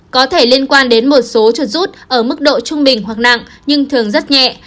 có thể liên quan đến một số trợ rút ở mức độ trung bình hoặc nặng nhưng thường rất nhẹ